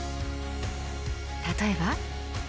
例えば。